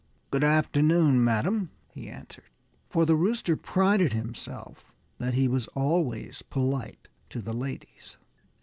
"Good afternoon, madam!" he answered for the Rooster prided himself that he was always polite to the ladies.